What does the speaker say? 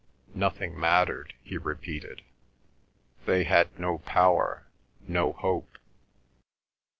Nothing mattered, he repeated; they had no power, no hope.